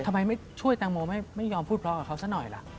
ทำไมไม่ช่วยแตงโมไม่ยอมพูดเพราะกับเขาซะหน่อยล่ะ